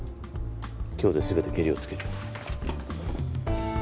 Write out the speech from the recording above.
今日で全てけりをつける。